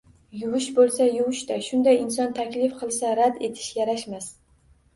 Yuvish bo`lsa, yuvish-da, shunday inson taklif qilsa, rad etish yarashmas